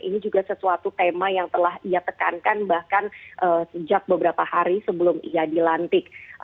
ini juga sesuatu tema yang telah ia tekankan bahkan sejak beberapa hari sebelum ia dilantik